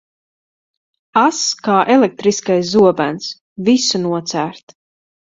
Ass kā elektriskais zobens, visu nocērt.